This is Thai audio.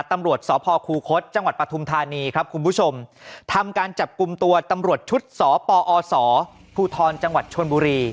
ตำรวจสพคูคศจังหวัดปฐุมธานีครับคุณผู้ชมทำการจับกลุ่มตัวตำรวจชุดสปอศภูทรจังหวัดชนบุรี